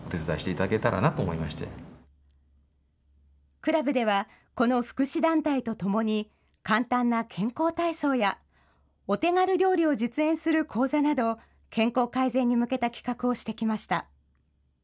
クラブでは、この福祉団体とともに簡単な健康体操や、お手軽料理を実演する講座など、健康改善に向けた企画をしてきました。